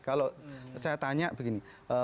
kalau saya tanya begini